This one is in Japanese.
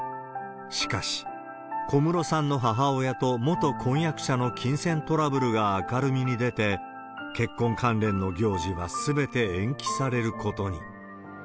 しかし、小室さんの母親と元婚約者の金銭トラブルが明るみに出て、結婚関連の行事はすべて延期されることに。